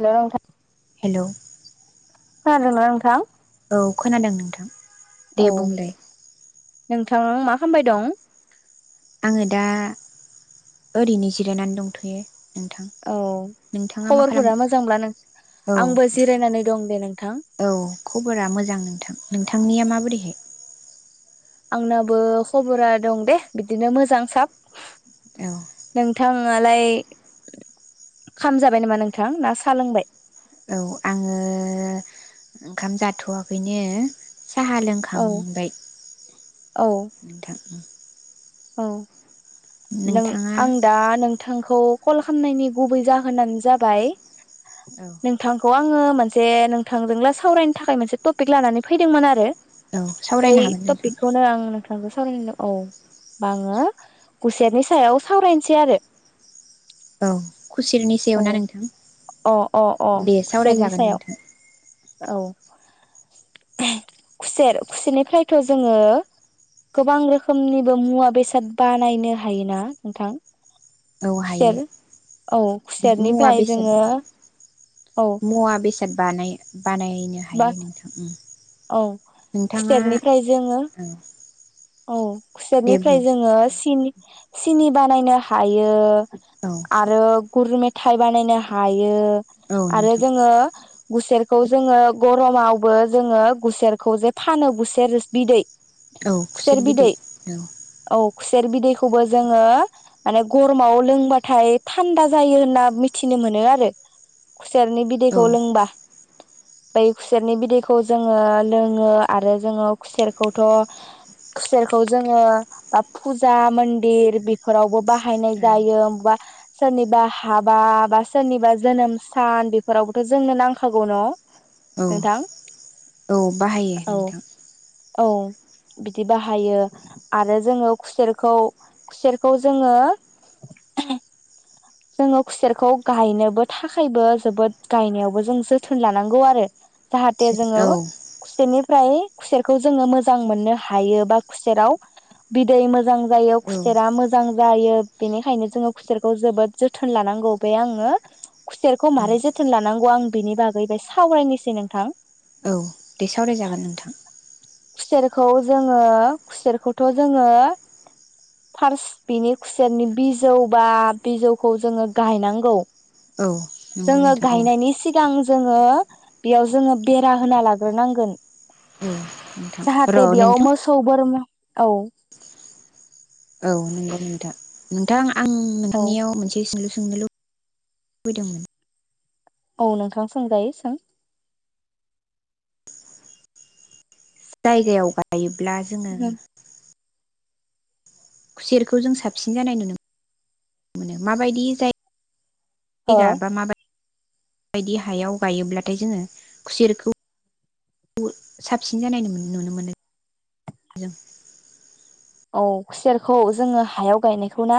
Hello नोंथां hello खोनादों ना नोंथां? औ खोनादों नोंथां दे बुंलाय नोंथाङा मा खालामबाय दं? आङो दा ओरैनो जिरायनानै दंथ'यो । औ खबरफोरा मोजांब्ला नों औ आंबो जिरायनानै दं दे नोंथां । औ खबरा मोजां नोंथां नोंथांनिया माबोरैहाय आंनाबो खबरा दं दे बिदिनो मोजां साब औ नोंथाङालाय खाम जाबाय नामा नोंथां ना साहा लोंबाय औ आङो ओंखाम जाथ'वाखैनो साहा औ लोंखांबाय औ नोंथां । औ नों नोंथाङा आं दा नोंथांखौ कल खालामनायनि गुबै जाहोनानो जाबाय औ । नोंथांखौ आं आङो मोनसे नोंथांजोंला सावरायनो थाखाय मोनसे टपिक लानानै फैदोंमोन आरो औ बेै सावरायनो हागोन नोंथां थफिखखौनो आं नों थांखौ सावरायनोनो औ बाङो खुसेरनि सायाव सावरायनोसै आरो । औ खुसेरनि सायाव ना नोंथां अ अ अ दे खुसेरनि सावरायजागोन नोंथां सायाव औ खुसेर खुसेरनिफ्रायथ' जोङो गोबां रोखोमनिबो मुवा बेसाद बानायनो हायोना नोंथां । औ हायो मुवा खुसेरनिफ्राय बेसाद जोङो औ मुवा बेसाद बानाय बानायनो बा हायो नोंथां उम औ खुसेरनिफ्राय जोङो औ औ दे बुं खुसेरनिफ्राय जोङो सिनि सिनि बानायनो हायो औ आरो गुर मेथाइ बानायनो हायो औ आरो नोंथां जोङो गुसेरखौ जोङो गरमावबो जोङो गुसेरखौ जे फानो गुसेरस बिदै औ खुसेर बिदै औ। औ खुसेर बिदैखौबो जोङो माने गरमाव लोंबाथाय थान्दा जायो होनना मिथिनो मोनो आरो। खुसेरनि औ बिदैखौ लोंबा बै खुसेरनि बिदैखौ जों ङो लोङो आरो जोङो खुसेरखौथ' खुसेरखौ जोङो बा फुजा मन्दिर बेफोरावबो बाहायनाय औ जायोबा मबा सोरनिबा हाबा बा सोरनिबा जोनोम सान बेफोरावबोथ' जोंनो नांखागौ। न' औ नोंथां? औ बाहायो औ नोंथां। औ बिदि बाहायो आरो जोङो खुसेरखौ खुसेरखौ जोङो जोङो खुसेरखौ गायनोबो थाखायबो जोबोद गायनायावबो जों जोथोन लानांगौ आरो। जाहाथे जोङो औ खुसेनि फ्राय खुसेरखौ जोङो मोजां मोननो हायो बा खुसेराव बिदै मोजां जायो औ खुसेरा मोजां जायो बेनिखायनो जोङो खुसेरखौ जोबोद जोथोन लानांगौ बे आङो खुसेरखौ मारै जोथोन लानांगौ आं बिनि बागै बाय सावरायनोसै नोंथां। औ दे सावरायजागोन नोंथां खुसेरखौ जोङो खुसेरखौथ' जोङो फार्स्ट बिनि खुसेरनि बिजौ बा बिजौ खौ जोङो गाहाय नांगौ। औ नंगौ जोङो नोंथां औ गाहायनायनि सि गां जोङो बेयाव जोङो बेरा होना लाग्रोनांगोन। औ नोंथां जाहाथे र' बियाव नोंथां मोसौ बोरमा औ औ नोंगौ नोंथां नोंथां आं औ नोंथांनियाव मोनसे सोंलु सोंनो लु बैदोंमोन। औ नोंथां सोंजायो सों। जायगायाव गायो ब्ला जोङो खुसेरखौ जों साबसिन जानाय नुनो मोनो माबायदि जाय ओ जायगा माबाय बायदि हायाव गायोब्लाथाय जोङो खुसेरखौ साबसिन जानाय नुनो मोनो जों। औ खुसेरखौ जोङो हायाव गायनायखौ ना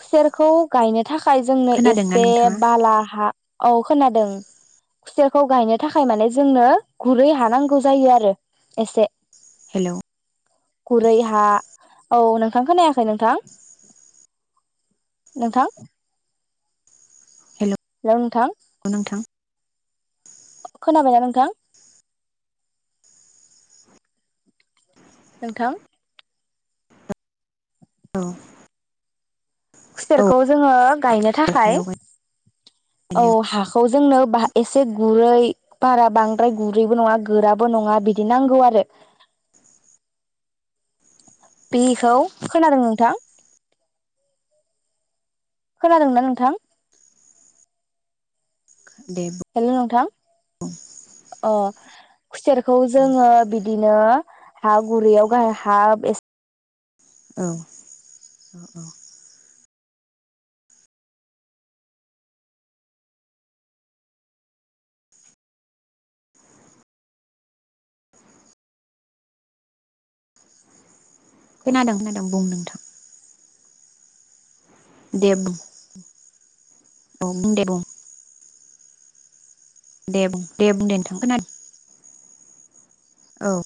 खुसेरखौ गायनो थाखाय जोंनो खोनादोंना एसे नोंथाङा बाला हा औ खोनादों खुसेरखौ गायनो थाखाय माने जोंनो गुरै हानांगौ जायो आरो एसे। हेलौ गुरै हा औ नोंथांखौ नायाखै नोंथां नोंथां हेल' हेलौ नोंथां नोंथां खोनाबायना नोंथां? नोंथां औ खुसेरखौ जोङो गायनो औ थाखाय हायाव औ गायनायाव हाखौ जोंनो एसे गुरै बारा बांद्राय गुरैबो नङा गोराबो नङा बिदि नांगौ आरो बेखौ खोनादों नोंथां? खोनादोंना नोंथां? दे बुं हेल' नोंथां अ खुसेरखौ जोङो बिदिनो हा गुरै याव गाहाय हा एसे औ औ औ खोनादों खोनादों बुं नोंथां । दे बुं औ बुं दे बुं दे बुं दे बुं दे नोंथां खोनादों । औ